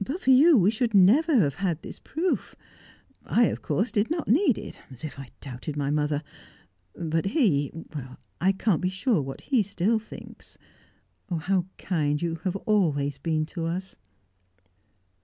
But for you, we should never have had this proof. I, of course, did not need it; as if I doubted my mother! But he I can't be sure what he still thinks. How kind you have always been to us!"